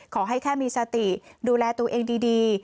ขอให้แค่มีสติดูแลตัวเองดี